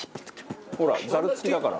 ほらザル付きだから。